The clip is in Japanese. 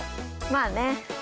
まあね。